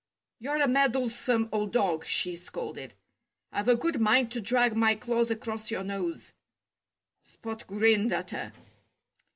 "You're a meddlesome old dog," she scolded. "I've a good mind to drag my claws across your nose." Spot grinned at her.